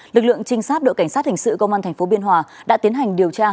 lực lượng trinh sát đội cảnh sát hình sự công an tp biên hòa đã tiến hành điều tra